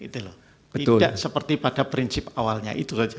tidak seperti pada prinsip awalnya itu saja